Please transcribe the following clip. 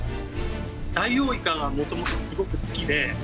ダイオウイカがもともとすごく好きで。